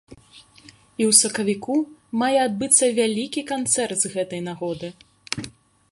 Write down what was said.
І ў сакавіку мае адбыцца вялікі канцэрт з гэтай нагоды.